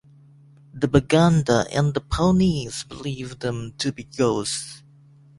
The Baganda and the Pawnees believe them to be ghosts.